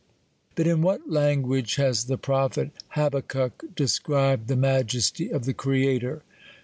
''^ But in what language has the prophet Habakkuk described the majesty of the Creator?